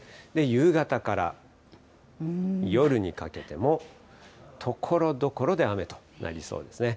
夕方から夜にかけても、ところどころで雨となりそうですね。